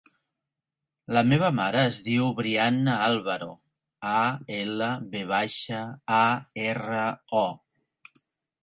La meva mare es diu Brianna Alvaro: a, ela, ve baixa, a, erra, o.